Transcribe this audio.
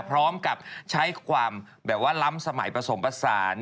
พร้อมกับใช้ความแบบว่าล้ำสมัยประสงค์ประสาน